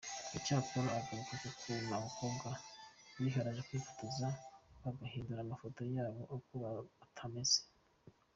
Icyakora agaruka ku kuntu abakobwa biharaje kwifotoza bagahindura amafoto yabo uko batameze.